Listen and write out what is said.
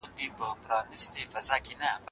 ځيني پریکړې سمي نه وي.